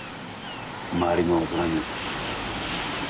周りの大人に。